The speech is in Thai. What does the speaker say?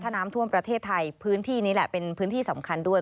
น้ำท่วมประเทศไทยพื้นที่นี้แหละเป็นพื้นที่สำคัญด้วย